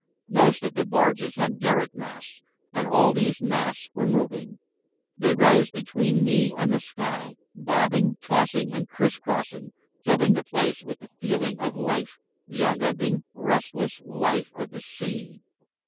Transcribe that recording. Most of the barges had derrick masts, and all these masts were moving. They rose between me and the sky, bobbing, tossing and criss crossing, filling the place with the feeling of life, the unending, restless life of the sea.